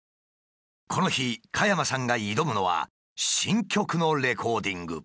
この日加山さんが挑むのは新曲のレコーディング。